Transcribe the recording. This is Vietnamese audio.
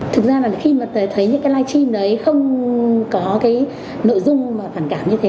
thực ra là khi mà thấy những cái live stream đấy không có cái nội dung mà phản cảm như thế